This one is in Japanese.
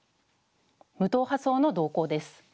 無党派層の動向です。